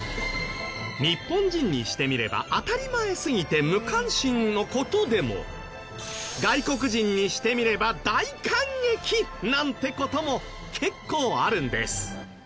日本人にしてみれば当たり前すぎて無関心の事でも外国人にしてみれば大感激！なんて事も結構あるんです。